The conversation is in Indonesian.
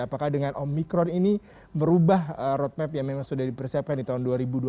apakah dengan omikron ini merubah roadmap yang memang sudah dipersiapkan di tahun dua ribu dua puluh